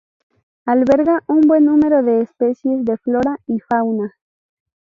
Alberga un buen número de especies de flora y fauna.